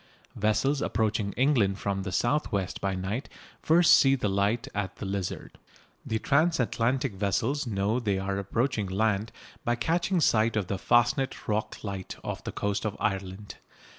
Vessels approaching England from the south west by night first see the light at the Lizard. The transatlantic vessels know they are approaching land by catching sight of the Fastnet Rock light off the coast of Ireland.